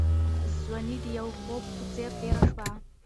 ځواني د یو خوب په څېر تېره شوه.